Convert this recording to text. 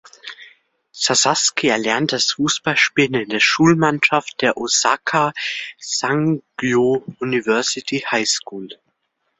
Sasaki erlernte das Fußballspielen in der Schulmannschaft der Osaka Sangyo University High School.